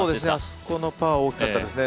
あそこのパー大きかったですね。